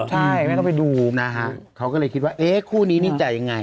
ใช่แม่เขาไม่ดูเขาก็เลยคิดว่าคู่นี้ใจอย่างไร